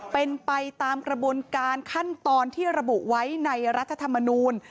เป็นไปตามกระบวนการขั้นตอนที่ระบุไว้ในรัฐธรรมนูล